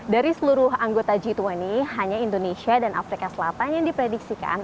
dari seluruh anggota g dua puluh hanya indonesia dan afrika selatan yang diprediksikan